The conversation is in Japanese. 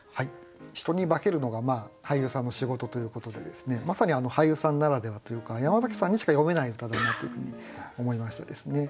人に化けるのが俳優さんの仕事ということでまさに俳優さんならではというか山崎さんにしか詠めない歌だなというふうに思いましたですね。